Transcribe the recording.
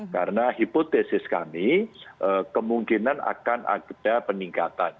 karena hipotesis kami kemungkinan akan ada peningkatan